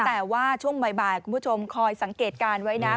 แต่ว่าช่วงบ่ายคุณผู้ชมคอยสังเกตการณ์ไว้นะ